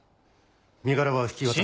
身柄は引き渡して。